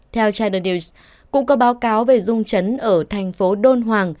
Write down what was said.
theo china news cũng có báo cáo về rung trấn ở thành phố đôn hoàng